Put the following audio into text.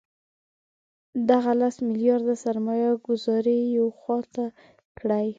دغه لس میلیارده سرمایه ګوزاري یوې خوا ته کړئ.